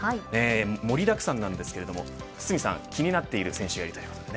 盛りだくさんなんですけど気になっている選手がいるということで。